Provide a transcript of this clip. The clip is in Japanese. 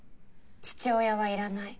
父親はいらない。